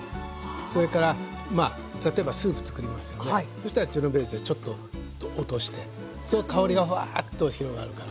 そしたらジェノベーゼちょっと落として香りがフワーッと広がるから。